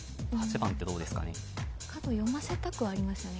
角読ませたくはありますよね